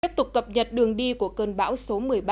tiếp tục cập nhật đường đi của cơn bão số một mươi ba